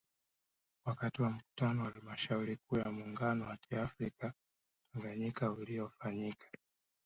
Wakati wa Mkutano wa Halmashauri Kuu ya muungano wa kiafrika Tanganyika uliofanyika